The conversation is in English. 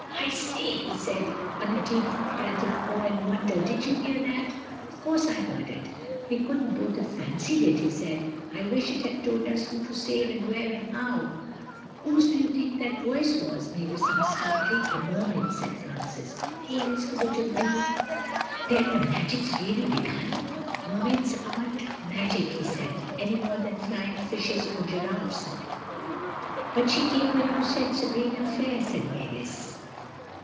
"I say," he said, on a deep breath of awe and wonder, "did you hear that?" "Of course, I heard it." "We couldn't both have fancied it," he said, "I wish it had told us who to save, and where, and how—" "Whose do you think that voice was?" Mavis asked softly. "The Mermaid's," said Francis, "who else's could it have been?" [Illustration: "We die in captivity."] "Then the magic's really begun—" "Mermaids aren't magic," he said, "anymore than flying fishes or giraffes are." "But she came when you said 'Sabrina fair,'" said Mavis.